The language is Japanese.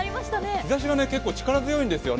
日ざしは結構力強いんですよね。